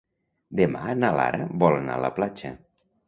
Demà na Lara vol anar a la platja.